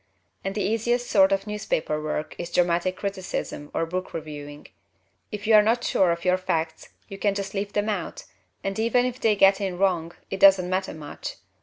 And the easiest sort of newspaper work is dramatic criticism or book reviewing. If you are not sure of your facts you can just leave them out, and even if they get in wrong it doesn't matter much.